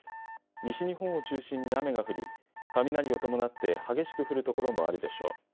西日本を中心に雨が降り雷を伴って激しく降る所もあるでしょう。